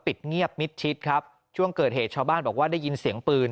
ปิดเงียบมิดชิดครับช่วงเกิดเหตุชาวบ้านบอกว่าได้ยินเสียงปืน